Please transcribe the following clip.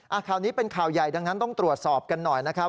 ข่าวนี้เป็นข่าวใหญ่ดังนั้นต้องตรวจสอบกันหน่อยนะครับ